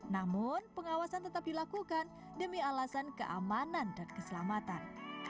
namun pengawasan tetap dilakukan demi alasan keamanan dan keselamatan